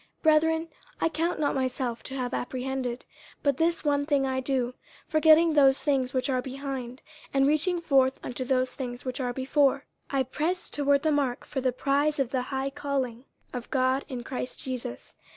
50:003:013 Brethren, I count not myself to have apprehended: but this one thing I do, forgetting those things which are behind, and reaching forth unto those things which are before, 50:003:014 I press toward the mark for the prize of the high calling of God in Christ Jesus.